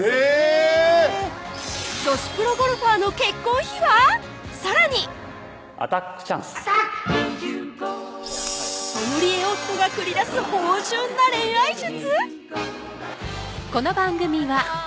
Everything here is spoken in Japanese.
女子プロゴルファーの結婚秘話⁉さらにソムリエ夫が繰り出す芳醇な恋愛術⁉